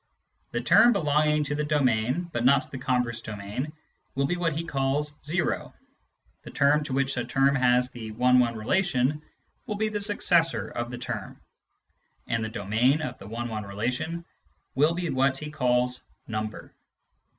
The term belonging to the domain but not to the converse domain will be what he calls " o "; the term to which a term has the one one relation will be the " successor " of the term ; and the domain of the one one relation will be what he calls " number."